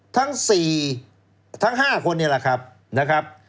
ทั้งสี่ทั้งห้าคนนี้แหละครับ